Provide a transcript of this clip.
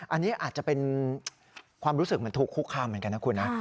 อันนี้อาจจะเป็นความรู้สึกเหมือนถูกคุกคามเหมือนกันนะคุณนะ